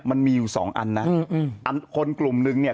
มันมีอยู่สองอันนะอืมอันคนกลุ่มนึงเนี่ย